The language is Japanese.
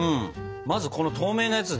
まずこの透明なやつで。